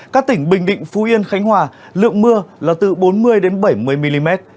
các tỉnh bình định phú yên khánh hòa lượng mưa là từ bốn mươi bảy mươi mm